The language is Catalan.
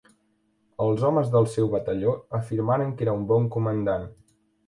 Els homes del seu batalló afirmaren que era un bon comandant.